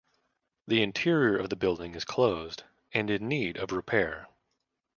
The interior of the building is closed and in need of repair.